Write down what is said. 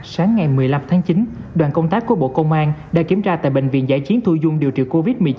sáng ngày một mươi năm tháng chín đoàn công tác của bộ công an đã kiểm tra tại bệnh viện giải chiến thu dung điều trị covid một mươi chín